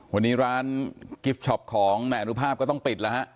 วันนี้ร้านกิฟต์ช็อปของนายอนุภาพก็ต้องปิดแล้วฮะ